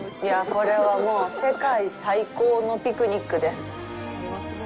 これはもう世界最高のピクニックです。